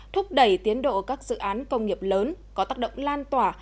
thúc đẩy tiến độ các dự án công nghiệp lớn có tác động lan tỏa